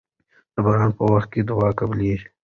د باران په وخت کې دعا قبليږي.